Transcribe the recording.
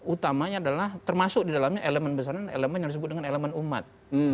utamanya adalah termasuk di dalamnya elemen besaran elemen yang disebut dengan elemen umat